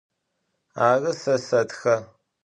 Arı, se setxe.